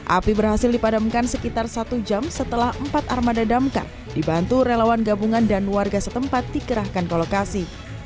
api berhasil dipadamkan sekitar satu jam setelah empat armada damkar dibantu relawan gabungan dan warga setempat dikerahkan ke lokasi